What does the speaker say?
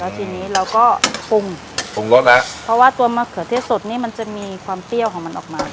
ทีนี้เราก็ปรุงปรุงรสแล้วเพราะว่าตัวมะเขือเทศสดนี่มันจะมีความเปรี้ยวของมันออกมา